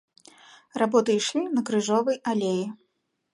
Работы ішлі на крыжовай алеі.